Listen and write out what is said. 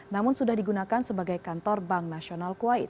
namun sudah digunakan sebagai kantor bank nasional kuwait